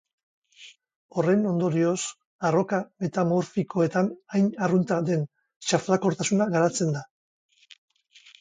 Horren ondorioz, arroka metamorfikoetan hain arrunta den xaflakortasuna garatzen da.